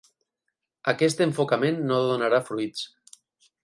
Aquest enfocament no donarà fruits.